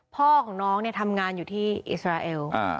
พ่อของน้องเนี่ยทำงานอยู่ที่อิสราเอล